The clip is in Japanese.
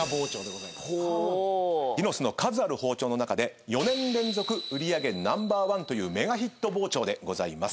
ディノスの数ある包丁の中で４年連続売り上げナンバーワンというメガヒット包丁でございます。